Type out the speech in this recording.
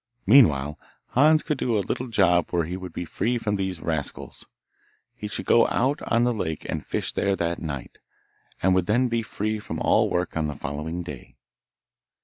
Meanwhile, Hans could do a little job where he would be free from these rascals. He should go out on the lake and fish there that night, and would then be free from all work on the following day.